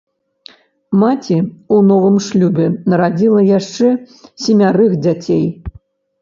Маці ў новым шлюбе нарадзіла яшчэ семярых дзяцей.